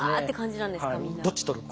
「どっち取る？」